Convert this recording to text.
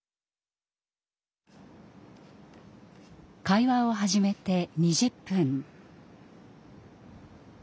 会話を始めて２０分。